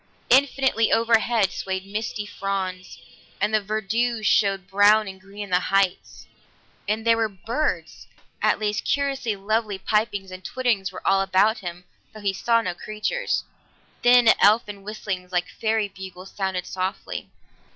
Infinitely overhead swayed misty fronds, and the verdure showed brown and green in the heights. And there were birds at least, curiously lovely pipings and twitterings were all about him though he saw no creatures thin elfin whistlings like fairy bugles sounded softly.